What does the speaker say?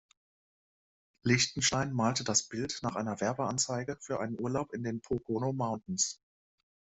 Lichtenstein malte das Bild nach einer Werbeanzeige für einen Urlaub in den Pocono Mountains.